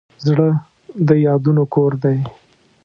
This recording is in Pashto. زړه د یادونو کور دی.